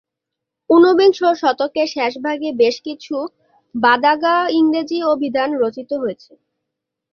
ঊনবিংশ শতকের শেষ ভাগে বেশ কিছু বাদাগা-ইংরেজি অভিধান রচিত হয়েছে।